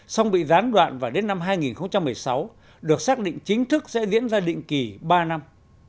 xong bị gián đoạn và đến năm hai nghìn một mươi sáu được xác định chính thức sẽ diễn ra định kỳ ba năm